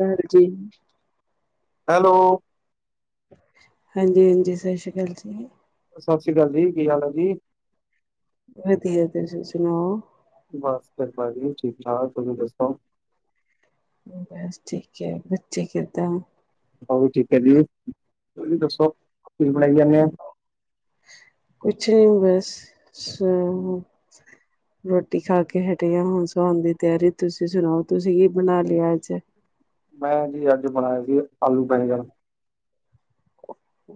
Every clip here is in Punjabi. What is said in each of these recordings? ਹਾਂਜੀ। ਹੈਲੋ। ਹਾਂਜੀ -ਹਾਂਜੀ ਸਸ਼ੀ ਕਾਲ ਜੀ। ਸਾਸੀ ਕਾਲ ਜੀ। ਕਿ ਹਾਲ ਹੈ ਜੀ ਵਧੀਆ, ਤੁਸੀਂ ਸੁਣਾ ਔ। ਬਸ ਕਿਰਪਾ ਜੀ, ਠੀਕ- ਠਾਕ ਤੁਸੀਂ ਦੱਸੋ। ਬਸ ਠੀਕੈ। ਬੱਚੇ ਕਿਦਾਂ। ਅਪਾ ਵੀ ਠੀਕ ਕਰਲੀ ਏ, ਤੁਸੀ ਦੱਸੋ? ਕੀ ਬਣਾਈ ਜਾਂਦੇਔ। ਕੁਛ ਨੀ ਬਸ ਸ! ਰੋਟੀ ਖਾ ਕੇ ਹਟੇ ਆ, ਹੁਣ ਸੋਣ ਦੀ ਤੇਆਰੀ, ਤੁਸੀਂ ਸੁਣਾਓ? ਤੁਸੀਂ ਕੀ ਬਣਾ ਲਿਆ ਅੱਜ? ਮੈਂ ਜੀ ਅੱਜ ਬਣਾਇਆ ਸੀ। ਆਲੂ, ਬੈਗਣ।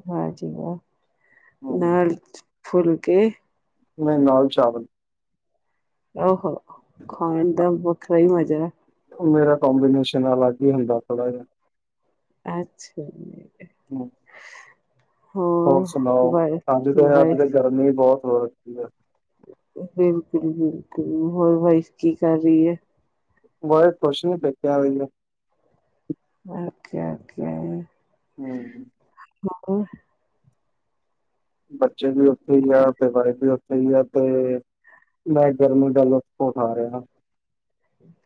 ਵਾਹ ਜੀ ਵਾਹ! ਹੂੰ। ਨਾਲ ਫੁਲਕੇ ਨ ਈ ਨਾਲ ਚਾਵਲ! ਔਹੋ! ਖਾਣ ਦਾ ਵੱਖਰਾ ਈ ਮਜੈ। ਮੇਰਾ ਕੋਂਬੀਨੇਸ਼ਨ ਅਲੱਗ ਈ ਹੋਂਦਾ ਥੋੜਾ ਜਾ ਐਛਾ ਜੀ! ਹਮ! [inaudible] ਹੋਰ ਸੁਣਾ ਔ ਅੱਜ ਤੇ ਅੱਜ ਵਾਈਫ ਤੇ ਗਰਮੀ ਬੋਤ ਹੋ ਰੱਖੀ ਹੈ। ਬਿਲਕੁਲ- ਬਿਲਕੁਲ, ਹੋਰ ਵਾਈਫ ਕੀ ਕਰ ਰਹੀ ਏ? ਵਾਈਫ ਕੁਸ਼ ਨੀ ਪੈਕੇਆਂ ਗਈ ਏ। ਓਕੇ- ਓਕੇ ਹੂੰ [inaudible] ਬੱਚੇ ਵੀ ਉੱਥੇ ਆ ਤੇ ਵਾਈਫ ਵੀੇ ਉੱਥੇ ਗਹੀ ਆ ਤੇ ਮੈਂ ਗਰਮੀ ਦਾ ਲੁਤਫ ਉਠਾ ਰਿਹਾ।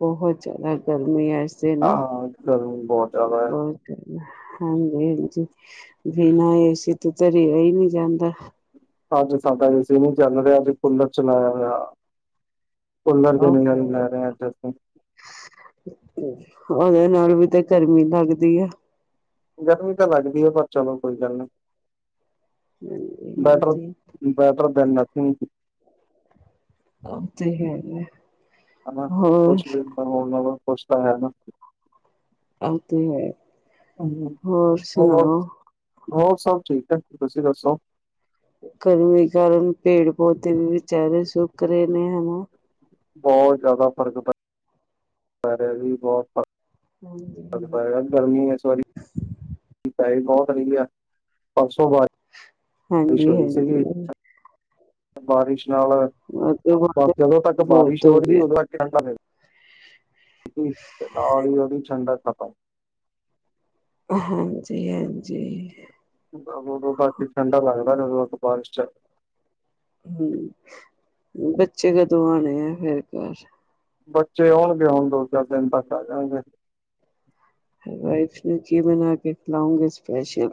ਬਹੁਤ ਜਿਆਦਾ ਗਰਮੀ ਆ। ਹਾਂ, ਗਰਮੀ ਬਹੁਤ ਜ਼ਿਆਦਾ। ਬਹੁਤ ਹਾਂਜੀ- ਹਾਂਜੀ, ਬਿਨਾ ਏ ਸੀ ਤੋ ਤਾ ਰਿਆ ਈ ਨੀ ਜਾਂਦਾ। ਅੱਜ ਸਾਡਾ ਏ ਸੀ ਨੀ ਚੱਲ ਰਿਹਾ, ਅੱਜ ਕੁੁੱਲਰ ਚਲਾਇਆ ਹੋਇਆ। ਕੁੱਲਰ ਦੇ ਨਜਾਰੇ ਆਹੋ ਲੈ ਰਹੇ ਅੱਜ ਅਸੀਂ। ਉਹਦੇ ਨਾਲ ਵੀ ਤੇ ਗਰਮੀ ਲੱਗਦੀ ਆ। ਗਰਮੀ ਤਾਂ ਲੱਗਦੀ ਹੈ, ਪਰ ਚਲੋ ਕੋਈ ਗੱਲ ਨੀ। ਬੈਟਰ ਹਾਂਜੀ - ਹਾਂਜੀ ਬੈਟਰ ਦੇਨ ਨਥਿੰਗ! ਉਹ ਤੇ ਹੈ ਆ, ਹਨਾ ਕੁਸ਼ ਵੀ ਨ ਹੋਨ ਨਾਲੋਂ ਕੁਸ਼ ਤਾ ਹੈ ਨਾ। ਆ ਤੇ ਹੈ, ਹੋਰ ਹੋਰ ਸੁਣਾਓ! ਹੋਰ ਸਭ ਠੀਕ ਏ, ਤੁਸੀਂ ਦੱਸੋ। ਗਰਮੀ ਕਾਰਨ ਪੇੜ ਪੌਦੇੇ ਵੀ ਬਚਾਰੇ ਸੁੱਕ ਰਹੇ ਨੇ, ਹਨਾ! ਬਹੁਤ ਜਿਆਦਾ ਫਰਕ ਪਿਆ! ਪੈ ਰੇਆ ਵੀ, ਬਹੁਤ ਫਰਕ ਹਾਂਜੀ ਪੈ ਰੇਆ ਗਰਮੀ ਪਏ ਬਹੁਤ ਰਹੀ ਆ, ਪਰਸੋਂ ਬਾਅਦ ਹਾਂਜੀ -ਹਾਂਜੀ ਬਾਰਿਸ਼ ਨਾਲ ਉਹ ਤੋਂ ਬਸ ਬਾਅਦ ਜਦੋਂ ਤੱਕ ਬਾਰਿਸ਼ ਬਹੁਤ ਹੋ ਰਹੀ ਗਿਆ ਉਦੋਂ ਤੱਕ [unintelligible] ਹਾਂਜੀ -ਹਾਂਜੀ ਬਸ ਉਦੋਂ ਤਕ ਈ ਠੰਡਾ ਲੱਗਦਾ ਜਦੋਂ ਤਕ ਬਾਰਿਸ਼ ਚ ਹੂੰ ਬੱਚੇ ਕਦੋਂ ਆਣੇ ਆ ਫੇਰ ਘਰ। ਬੱਚੇ ਆਉਣਗੇ ਹੁਣ, ਦੋ ਚਾਰ ਦਿਨ ਤੱਕ ਆ ਜਾਣਗੇ। ਵਾਈਫ ਨੂੰ ਕੀ ਬਣਾ ਕੇ ਖਿਲਾਉਂਗੇ ਸਪੈਸ਼ਲ?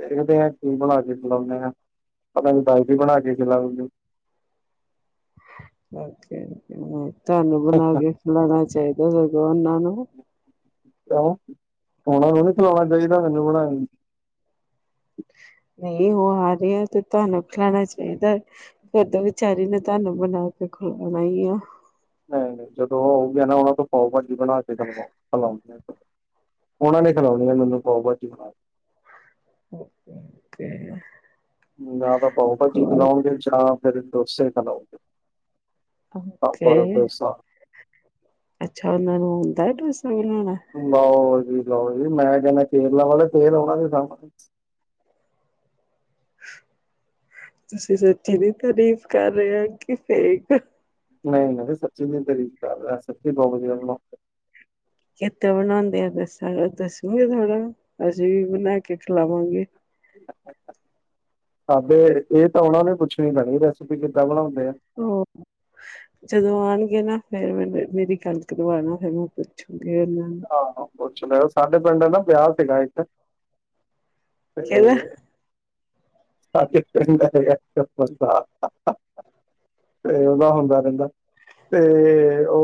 ਦੇਖਦੇ ਹਾਂ ਕੀ ਬਣਾ ਕੇ ਖਿਲਾਉਨੇ ਆ? ਪਤਾ ਨੀ ਵਾਈਫ ਵੀ ਬਣਾ ਕੇ ਖਿਲਾਉਗੀ। ਓਕੇ ਤੁਹਾਨੂੰ ਬਣਾ ਕੇ ਖਲਾਣਾ ਚਾਹੀਦਾ, ਸਗੋਂ ਉਹਨਾਂ ਨੂੰ। ਕਿਉਂ ਉਨਾਂ ਨੂੰ ਨੀ ਖਲਾਉਣਾ ਚਾਹੀਦਾ ਮੈਨੂੰ ਬਣਾ ਕੇ? ਨਹੀਂ, ਉਹ ਆ ਰਹੇ ਆ ਤੇ ਤੁਹਾਨੂੰ ਖਲਾਣਾ ਚਾਹੀਦਾ। ਫਿਰ ਤਾ ਵਿਚਾਰੀ ਨੇ ਤੁਹਾਨੂੰ ਬਣਾ ਕੇ ਖਲਾਉਣਾ ਹੀ ਆ। ਮੈਂ ਨਹੀਂ ਜਦੋਂ ਉਹ ਆਓਗੇ ਨਾ ਉਹਨਾ ਤੋਂ ਪਾਓ ਭਾਜੀ ਬਣਾ ਕੇ ਖਲਾਉਗਾ। ਉਹਨਾ ਨੇ ਖਿਲਾਉਣੀ ਆ ਮੈਨੂੰ ਪਾਓ ਭਾਜੀ ਬਣਾ ਓਕੇ ਜਾ ਤਾਂ ਪਾਉ ਭਾਜੀ ਖਿਲਾਉਣਗੇ ਜਾਂ ਫਿਰ ਡੋਸੇ ਖਲਾਓਣਗੇ ਹਾਂ ਓਕੇ ਪਰ ਡੋਸਾ ਅੱਛਾ ਉਹਨਾਂ ਨੂੰ ਆਉਂਦਾ ਡੋਸਾ ਬਣਾਉਣਾ ਲਓ ਜੀ ਲਓ ਜੀ ਮੈਂ ਕਹਿੰਨਾ ਕੇਰਲਾ ਵਾਲੇ ਤੇਲ ਉਹਨਾ ਦੇ ਤਾਂ ਤੁਸੀਂ ਸੱਚੀ ਦੀ ਤਾਰੀਫ਼ ਕਰ ਰਹੇ ਹੋ ਕਿ ਫੇਕ ਨਈ ਨਈ, ਸੱਚੀ ਦੀ ਤਰੀਫ ਕਰ ਰਯਾ ਸੱਚੀ ਬੋਤ ਵਧੀਆ ਬਣਾਉਂਦੇ ਕਿੱਦਾਂ ਬਣਾਉਂਦੇ ਆ ਦੱਸਾਂ ਦੱਸੂਗੇ ਥੋੜ੍ਹਾ ਅਸੀਂ ਵੀ ਬਨਾ ਕੇ ਖਿਲਾਵਾਂਗੇ। [unintelligible] ਏ ਤਾਂ ਓਨਾ ਨੂੰ ਈ ਪੁੱਛਣੀ ਪੈਣੀ ਰੈਸਪੀ ਕਿੱਦਾਂ ਬਣਾਉਂਦੇ ਆ। [unintelligible] ਜਦੋਂ ਆਉਣਗੇ ਨਾ ਫੇਰ ਮ ਮੇਰੀ ਗੱਲ ਕਰਵਾਣਾ ਫਿਰ ਮ ਪੁੱਛ ਹਾਂ ਹਾਂ, ਪੁੱਛ ਲਯੋ ਸਾਡੇ ਪਿੰਡ ਨਾ ਵਿਆਹ ਸੀਗਾ ਇੱਕ ਤੇ ਕਹਿੰਦਾ ਸਾਡੇ ਪਿੰਡ ਏਹੋ ਜਿਆ [unintelligible] ਤੇ ਉਦਾ ਹੁੰਦਾ ਰਹਿੰਦਾ ਤੇ ਓ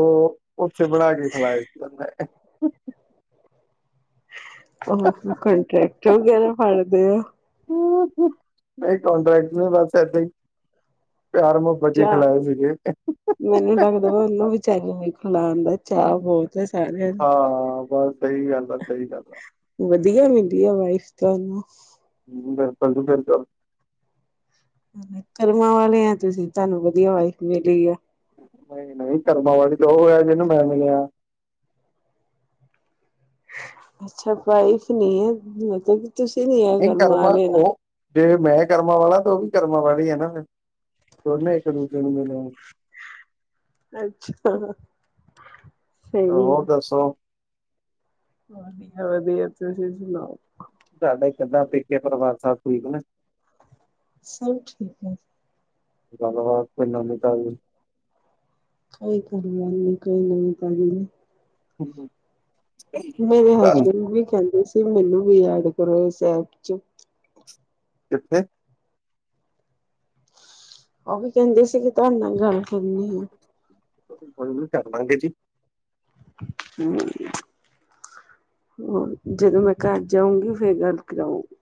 ਓਥੇ ਬਣਾ ਕੇ ਖਿਲਾਏ ਸੀ ਓਨੇ। [unintelligible] ਕੰਟਰੈਕਟ ਵਗੈਰਾ ਫੜਦੇ ਓ? ਨਈ ਕੋਂਟੈਕਟ ਨਈ ਬਸ ਏਦਾਂ ਈ ਪਿਆਰ ਮੂਹ ਚਾਅ, ਮੈਨੂੰ ਵੀ ਲੱਗਦਾ ਪਿਆ ਓਨੂੰ ਵਿਚਾਰੀ ਨੂੰ ਵੀ ਖਿਲਾਨ ਦਾ ਚਾਅ ਬੋਤ। ਤੇ ਸਾਰੇ ਹਾਂ ਬਸ ਸਈ ਗੱਲ ਆ, ਸਈ ਗੱਲ ਆ। ਵਧੀਆ ਮਿਲੀ ਆ ਵਾਈਫ ਤੁਹਾਨੂੰ। ਹੂੰ, ਬਿਲਕੁਲ ਜੀ ਬਿਲਕੁਲ। ਕਰਮਾਂ ਵਾਲੇ ਆ ਤੁਸੀਂ ਤੁਹਾਨੂੰ ਵਧੀਆ ਵਾਈਫ ਮਿਲੀ ਆ। ਨਈ-ਨਈ ਕਰਮਾਂ ਵਾਲੀ ਤੇ ਓ ਹੈ ਜਿਨੂੰ ਮੈਂ ਮਿਲਿਆ। ਅੱਛਾ ਭਾਈਫ ਨੀ ਐ ਮਤਲਬ ਕਿ ਤੁਸੀਂ ਨੀ ਆ ਨਹੀਂ ਕਰਮਾ ਆਲੇ ਨਾ। ਉਹ ਜੇ ਮੈਂ ਕਰਮਾਂ ਵਾਲਾ ਤਾਂ ਓ ਵੀ ਕਰਮਾਂ ਵਾਲੀ ਐ ਨਾ ਫੇਰ। ਦੋਨੇ ਇੱਕ ਦੂਜੇ ਨੂੰ ਮਿਲੇ। ਅੱਛਾ, ਸਈ ਐ। ਹੋਰ ਦੱਸੋ। ਵਦੀਆ-ਵਦੀਆ ਤੁਸੀ ਸੁਨਾਓ। ਤੁਆਡਾ ਕਿੱਦਾਂ ਪੇਕੇ ਪਰਵਾਰ ਸਬ ਠੀਕ ਨੇ? ਸਭ ਠੀਕ ਐ। ਗੱਲ ਬਾਤ ਕੋਈ ਨਵੀ ਤਾਜ਼ੀ। ਕੋਈ ਗੱਲਬਾਤ ਨੀ, ਕੋਈ ਨਵੀ ਤਾਜ਼ੀ ਨੀ। ਹੂੰ। ਮੇਰੇ ਹਸਬੈਂਡ ਵੀ ਕਹਿੰਦੇ ਸੀ ਮੈਨੂੰ ਵੀ ਐਡ ਕਰੋ ਇਸ ਐਪ 'ਚ। ਕਿੱਥੇ? ਓ ਵੀ ਕਹਿੰਦੇ ਸੀ ਕਿ ਤੁਹਾਡੇ ਨਾਲ ਗੱਲ ਕਰਨੀ ਐ। ਕੋਈ ਨੀ ਕਰ ਲਾਂਗੇ ਜੀ। ਹੂੰ। ਹੋਰ ਜਦੋਂ ਮੈਂ ਘਰ ਜਾਊਂਗੀ ਫੇਰ ਗੱਲ ਕਰਾਉਂਗੀ।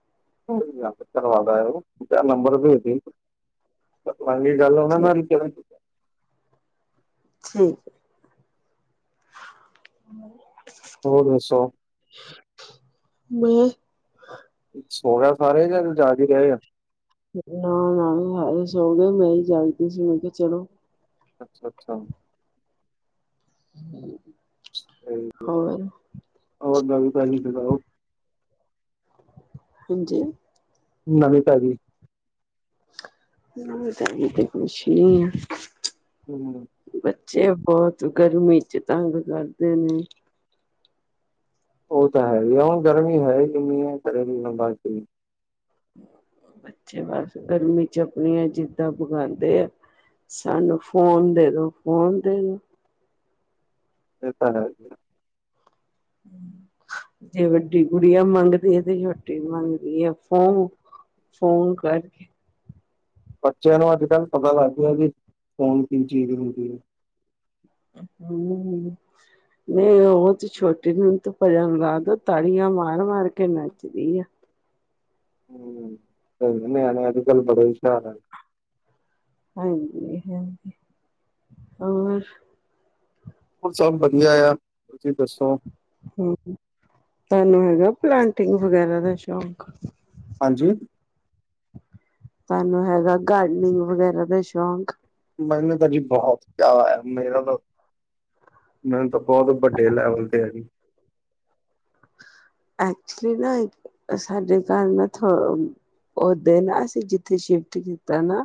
ਕੋਈ ਨੂੰ ਜਾ ਕੇ ਕਰਵਾ ਦਯੋ ਯਾ ਨੰਬਰ ਦੇ ਦੇਈਂ। ਅਗਲੀ ਗੱਲ ਓਨਾਂ ਨਾਲ ਈ ਕਰਾਂਗੇ। ਹਾਂਜੀ। [inaudible] ਹੋਰ ਦਸੋਂ। ਮੈਂ ਸੋਂ ਗਿਆ ਸਾਰੇ ਯਾ ਜਾਗ ਈ ਰਏ ਆ? ਨਾ-ਨਾ, ਸਾਰੇ ਸੋਗੇ ਮੈਂ ਈ ਜਾਗਦੀ ਸੀ, ਮੈਂ ਕਯਾ ਚਲੋ ਅੱਛਾ-ਅੱਛਾ। ਹੂੰ, ਤੇ ਹੋਰ ਹੋਰ ਨਵੀਂ-ਤਾਜ਼ੀ ਸੁਣਾਓ ਹਾਂਜੀ। ਨਵੀਂ-ਤਾਜ਼ੀ। ਨਵੀਂ-ਤਾਜ਼ੀ ਤੇ ਕੁਛ ਨੀ ਆ। ਹੋਰ ਬੱਚੇ ਬੋਤ ਗਰਮੀ ਚ ਤੰਗ ਕਰਦੇ ਨੇ। ਓ ਤਾਂ ਹੈ ਈ ਹੁਣ ਗਰਮੀ ਹੈ ਇੰਨੀ ਏ ਕਰੇ ਵੀ ਬੰਦਾ ਕੀ! ਬੱਚੇ ਬਸ ਗਰਮੀ ਚ ਆਪਣੀਆਂ ਜਿਦਾਂ ਪਗਾਉਦੇ ਏ। ਸਾਨੂੰ ਫ਼ੋਨ ਦੇ ਦੋ, ਫ਼ੋਨ ਦੇ ਦੋ। ਏ ਤਾਂ ਹੈ। ਜੇ ਵੱਡੀ ਗੁੜੀਆਂ ਮੰਗਦੀ ਹੈ। ਤੇ ਛੋਟੀ ਵੀ ਮੰਗਦੀ ਏ ਫ਼ੋਨ- ਫ਼ੋਨ ਕਰਕੇ ਬੱਚਿਆਂ ਨੂੰ ਅੱਜ-ਕਲ ਪਤਾ ਲਗ ਗਿਆ ਕੀ, ਫ਼ੋਨ ਕੀ ਚੀਜ ਹੁੰਦੀ ਏ। ਹੁੰ, ਹੁੰ, ਨਹੀ ਓ ਤੇ ਛੋਟੇ ਨ ਹੁਣ ਤੋ ਭਜਨ ਵਾਦ ਤਾੜੀਆਂ ਮਾਰ-ਮਾਰ ਕੇ ਨੱਚਦੀ ਆ। ਹੂੰ, ਕੋਈ ਨੀ ਨਿਆਣੇ ਅੱਜ-ਕਲ ਬੜੇ ਹੁਸ਼ਿਆਰ ਹਨ। ਹਾਂਜੀ-ਹਾਂਜੀ, ਔਰ ਸਭ ਵਧੀਆ ਆ, ਤੁਸੀਂ ਦੱਸੋ? ਹੂੰ, ਤੁਹਾਨੂੰ ਹੈਗਾ ਪਲਾਂਟਿੰਗ ਵਗੈਰਾ ਦਾ ਸ਼ੌਂਕ? ਹਾਂਜੀ। ਸਾਨੂੰ ਹੈਗਾ ਗਾਰਡਨਿੰਗ ਵਗੈਰਾ ਦਾ ਸ਼ੌਕ। ਮੈਨੂੰ ਤਾਂ ਜੀ ਬਹੋਤ ਚਾਹ ਏ, ਮੇਰਾ ਤਾਂ, ਮੈਨੂੰ ਤਾਂ ਬਹੋਤ ਵੱਡੇ ਲੈਵਲ ਯੀਅਰਲੀ। ਐਕਚੁਲੀ ਨਾ ਏਕ, ਸਾਡੇ ਘਰ ਨਾ ਥ ਓ ਦਿਨ ਅਸੀਂ ਜਿੱਥੇ ਸ਼ਿਫ਼ਟ ਕੀਤਾ ਨਾ,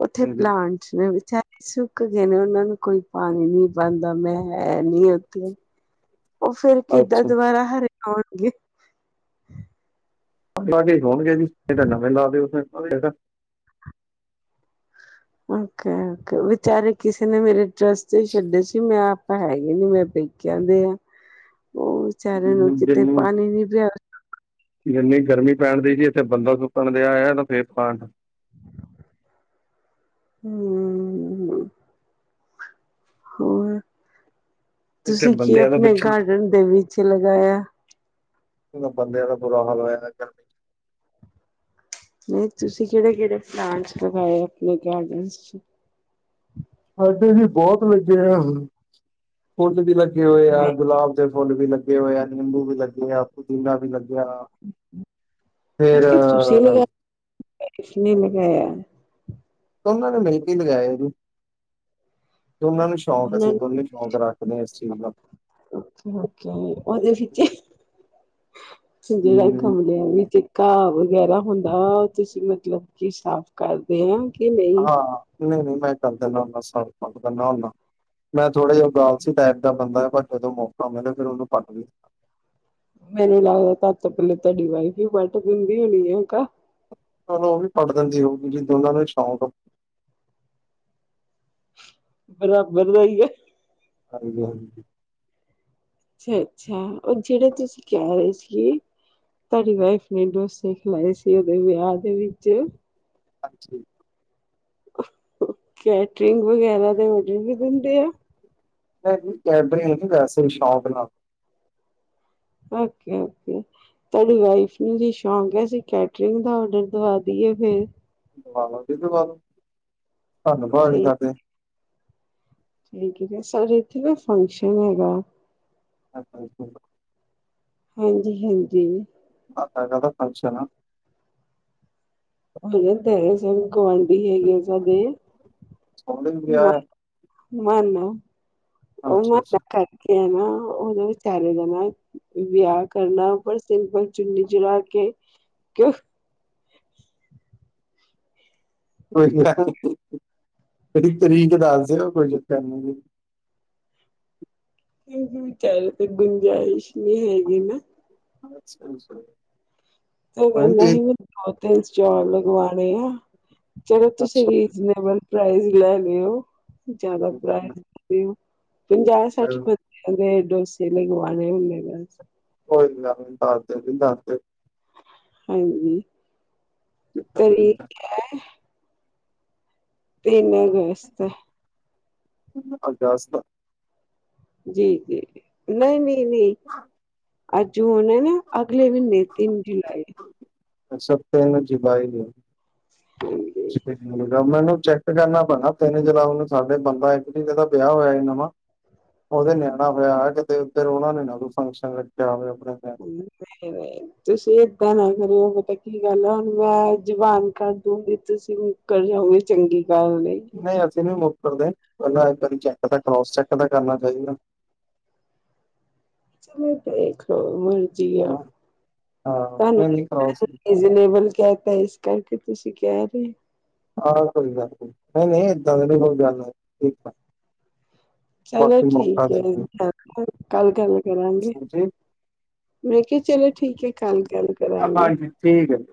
ਉੱਥੇ ਹਾਂਜੀ। ਪਲਾਂਟ ਖੁਛ ਨੀ ਵਿਚਾਰੇ ਸੁੱਕ ਗਏ ਨੇ ਉਨਾਂ ਨੂੰ ਕੋਈ ਪਾਣੀ ਨੀ ਪਾਦਾ ਮੈਂ ਹੈ। ਨੀ ਉਥੇ ਫਿਰ ਕਿਦਾ ਅੱਛਾ ਦੁਬਾਰਾ ਹਰੇ ਆਣਗੇ। ਅੱਕ ਲਾ ਕੇ ਹੋਣਗੇ ਜੀ ਫਿਰ ਤਾਂ ਨਵੇ ਲਾ ਦਿਓ ਅਗਲੇ ਦਾ। ਓਕੇ-ਓਕੇ ਵਿਚਾਰੇ ਕਿਸੇ ਨੇ ਮੇਰੇ ਟਰੱਸਟ ਤੇ ਛੱਡੇ ਸੀ ਮੈ ਆਪਾ ਹੈਗੇ ਨੀ ਮੈਂ ਪਈ। ਕਹਿੰਦੇ ਆ, ਓ ਵਿਚਾਰਿਆਂ ਨੂੰ ਕਿਤੇ ਪਾਣੀ ਨੀ ਪਿਆ ਇੰਨੀ ਗਰਮੀ ਪੈਣ ਦੀ ਸੀ ਇੱਥੇ ਬੰਦਾ ਸੁੱਕਣ ਦੇ ਆ ਫੇਰ ਪਾਲਾਟ [inaudible] ਹੁੰ-ਹੁੰ। ਹੋਰ, ਇੱਥੇ ਤੁਸੀਂ ਕੀ ਬੰਦਿਆਂ ਦਾ ਆਪਣੇ ਪਿੱਛਾ ਗਾਰਡਨ ਦੇ ਵਿੱਚ ਲਗਾਇਆ? ਉਨ੍ਹਾਂ ਬੰਦਿਆਂ ਦਾ ਬੁਰਾ ਹਾਲ ਹੋਇਆ ਐਨਾ ਗਰਮੀ। ਨਈਂ ਤੁਸੀਂ ਕਿਹੜੇ-ਕਿਹੜੇ ਪਲਾਂਟ ਲਗਾਏ ਆਪਣੇ ਗਾਰਡਨ ਚ ਸਾਡੇ ਵੀ ਬੋਤ ਲੱਗੇ ਆ ਹੁਣ, ਫੁੱਲ ਵੀ ਲਗੇ ਹੋਏ ਆ ਗੁਲਾਬ ਦੇ ਫੁੱਲ ਵੀ ਲਗੇ ਹੋਏ ਆ, ਨਿਬੂ ਵੀ ਲਗੇ ਆ। ਪੁਦੀਨਾ ਵੀ ਲਗਿਆ, ਫਿਰ ਏ ਕੀਸਨੇ ਲੈਗਾਆ। ਦੋਨਾਂ ਨੇ ਮਿਲ ਕੇ ਲਗਾਇਆ ਜੀ, ਦੋਨਾਂ ਨੂੰ ਸ਼ੌਕ ਸੀ ਉਹਨਾਂ ਦੋਨੇ ਸ਼ੌਖ ਰੱਖਦੇ ਆ ਇਸ ਚੀਜ਼ ਦਾ। ਓਕੇ-ਓਕੇ ਓਦੇ ਵਿੱਚੇ, ਜਿਹੜਾ ਹਮ ਗਮਲਿਆਂ ਵਿੱਚੇ ਘਾਹ ਵਗੈਰਾ ਹੁੰਦਾ ਵ ਤੁਸੀਂ ਮੱਤਲਬ ਕੀ ਸਾਫ਼ ਕਰਦੇ ਆ ਕਿ ਨਈ ਨਈ-ਨਈ ਮੈਂ ਕਰ ਦਿੰਦਾ ਹੋਂਦਾ ਸਾਫ ਪੱਗ ਦਾ ਨਾ ਹੋਂਦਾ। ਮੈ ਥੋੜਾ ਜਿਹਾ ਆਲਸੀ ਟਾਈਪ ਦਾ ਬੰਦਾ ਪਰ ਜਦੋ ਮੌਕਾ ਮਿਲੇ ਫੇਰ ਉਹਨੂੰ ਕਰ ਲ- ਮੈਨੂੰ ਲੱਗਦਾ ਪਹਿਲੇ ਤੁਹਾਡੀ ਵਾਈਫ ਹੀ ਬਟ ਕਰ ਦਿੰਦੀ ਹੋਣੀ ਹੈ ਕ- ਚਲ ਉਹ ਵੀ ਕਟ ਦਿੰਦੀ ਹੋਊਗੀ ਜਦੋ ਦੋਨਾਂ ਨੂੰ ਸ਼ੌਂਕ- ਬਰਾ ਬ [unintelligible] ਰਦਾ ਗ ਹਾਂਜੀ-ਹਾਂਜੀ। ਅੱਛਾ- ਅੱਛਾ ਉਹ ਜਿਹੜੇ ਤੁਸੀਂ ਕਹਿ ਰਹੇ ਸੀ। ਤੁਹਾਡੀ ਵਾਈਫ ਨੇ ਡੋਸੇ ਖਿਲਾਏ ਸੀ ਉਹਦੇ ਵਿਆਹ ਦੇ ਵਿੱਚ। ਹਾਂਜੀ। ਕੈਟਰਿੰਗ ਵਗੈਰਾ ਦੇ ਔਡਰ ਵੀ ਦਿੰਦੇ ਆ। ਕੈਡਰਿਗ ਨਹੀਂ ਵੈਸੇ ਹੀ ਸ਼ੌਕ ਨਾਲ। ਓਕੇ-ਓਕੇ। ਤੁਹਾਡੀ ਵਾਈਫ ਨੂੰ ਜ ਸ਼ੌਂਕ ਹੈ ਅਸੀਂ ਕੈਟਰਿੰਗ ਦਾ ਔਡਰ ਦਵਾ ਦੀਏ ਫੇਰ। ਦਵਾਦੋ ਫੇਰ ਦਵਾਦੋ, ਧੰਨ ਭਾਗ ਠੀਕ ਸਾਡੇ। ਠੀਕ ਹੈ ਜੀ, ਸਾਡੇ ਇੱਥੇ ਨਾ ਫੰਕਸ਼ਨ ਹੈਗਾ। ਅੱਛਾ -ਅੱਛਾ। ਹਾਂਜੀ -ਹਾਂਜੀ। ਤੁਹਾਡਾ ਕਾਦਾ ਫਨਸ਼ਨ ਆ। ਹ ਤੇ ਸ ਗੁਵਾਢੀ ਹੈਗੇ ਆ ਸਾਡੇ। ਸੋਹਣੇ ਵਿਆਹ ਨਾ- ਨਾ ਆ ਉਹ ਅੱਛਾ ਪਕਾ ਅੱਛਾ ਕਰਕੇ ਹੈ ਆਨਾ ਉਹ ਵਿਚਾਰੇ ਨਾਲ। ਵਿਆਹ ਕਰਨਾ ਪਰ ਸਿੰਪਲ ਚੁੰਨੀ ਚੁੜਾ ਕੇ। ਕਿਉ- ਕੋਈ ਗੱਲ ਨਹੀਂ। ਜਿਹੜੀ ਤਰੀਕ ਦੱਸਦੇਓ ਕੋਈ ਪਰੇਸ਼ਾਨੀ ਨਹੀਂ। ਕਿਕ ਵੀ ਕ ਲ [unintelligible] ਤੇ ਸੂ਼ਗਰ ਨਹੀਂ ਹੈਗੀ ਨਾ ਅੱਛਾ- ਅੱਛਾ। ਤੇ ਕਹਿੰਦਾ ਸੀ। ਮੈ ਦੋ -ਤਿੰਨ ਸਟੋਲ ਲਗਵਾਣੇ ਆ। ਚਲੋ, ਤੁਸੀਂ ਅੱਛਾ ਰੀਜ਼ਨੇਬਲ ਪ੍ਰਾਈਜ਼ ਲੈ ਲਿਓ। ਜ਼ਿਆਦਾ ਕੋਈ ਗੱਲ ਬਰਾਤ ਨੀ ਨਹੀਂ ਪੰਜਾਹ- ਸੱਠ ਬ- ਕੋਈ ਓਨੇ ਡੋਸੇ ਲਗਵਾ ਨੇ ਹੁਣੇ ਬਸ। ਕੋਈ ਨਾ ਦਸ ਦੇ ਓ ਜੀ ਦਸ ਦੇ ਓ। ਹਾਂਜੀ ਕੋਈ ਤੇ ਚੱਕਰ ਨੀ ਠੀਕ ਹੈ। ਤਿੰਨ ਅਗਸਤ। ਅਗਸਤ। ਜੀ -ਜੀ, ਨਹੀਂ -ਨਹੀਂ, ਨਹੀਂ। ਅੱਜ ਹੁਣ ਹੈ ਨਾ ਅਗਲੇ ਮਹੀਨੇ ਤਿੰਨ ਜੁਲਾਈ। ਅਛਾ ਤੀਨ ਜੁਲਾਈ ਏ ਹਾਂਜੀ ਛਿਪੇ ਤੇ ਹੋਰ। ਗ ਮੈਨੂੰ ਚੈੱਕ ਕਰਨਾ ਪੈਣਾ। ਤਿੰਨ ਜੁਲਾਈ ਨੂੰ ਸਾਡੇ ਬੰਦਾ ਇੱਕ ਜੀ ਦਾ ਵਿਆਹ ਹੋਇਆ ਨਵਾਂ। ਉਹਦੇ ਨਿਆਣਾ ਹੋਇਆ। ਕਿਤੇ ਓਧਰ ਉਹਨਾ ਨੇ ਨਾ ਕੋਈ ਫੰਕਸ਼ਨ ਰੱਖਿਆ ਹੋਵੇ ਆਪਣੇ ਘਰ। ਹ [unintelligible] ਤੁਸੀਂ ਏਦਾਂ ਨਾ ਕਰਿਓ ਪਤਾ ਕੀ ਗੱਲ ਆ। ਹੁਣ ਮੈਂ ਜਬਾਨ ਕਰ ਦੂੰਗੀ ਤੁਸੀਂ। ਕਰੇ ਹੋਏ ਚੰਗੀ ਗੱਲ ਨਹੀਂ। ਨਹੀਂ ਅਸੀਂ ਨੀ ਮੁੱਕਰਦੇ। ਪਹਿਲਾਂ ਇੱਕ ਵਾਰੀ ਚੈੱਕ ਤਾਂ ਕਰੋਸ ਚੈੱਕ ਤਾਂ ਕਰਨਾ ਚਾਹੀਦਾ। ਚ' ਦੇਖ ਲੈ ਮ। ਆਹ ਇਹ ਨ ਕਰਓ। ਰੀਜਨੇਬਲ ਕਹਿ ਤਾ ਇਸ ਕਰਕੇ ਤੁਸੀਂ ਕਹਿ ਰਹੇ। ਆਹ ਕੋਈ ਗੱਲ ਕੋ ਨਹੀਂ- ਨਹੀਂ ਏਦਾਂ ਦੀ ਕੋਈ ਗੱਲ ਹੈ, ਠੀਕ ਆ। ਚਲੋ, ਬਾਕੀ ਮੌਕਾ ਠੀਕ ਹੈ। ਦੇ ਦਿਓ। ਹੁਣ ਰਖੋ ਕੱਲ ਗੱਲ ਕਰਾਂਗੇ। ਹਾਂਜੀ ਮੈਂ ਕਿਹਾ, ਚਲੋ ਠੀਕ ਹੈ। ਕੱਲ ਗੱਲ ਕਰਾਂਗੇ। ਹਾਂਜੀ ਠੀਕ ਹੈ